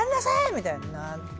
みたいになって。